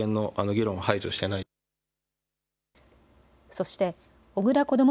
そして小倉こども